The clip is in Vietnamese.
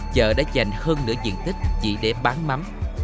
chợ đã dành hơn nửa diện tích chỉ để bán mắm